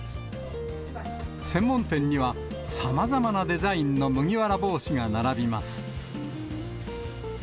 専門店には、さまざまなデザインの麦わら帽子が並びます。